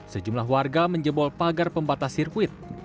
sejumlah warga menjebol pagar pembatas sirkuit